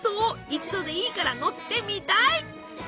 一度でいいから乗ってみたい！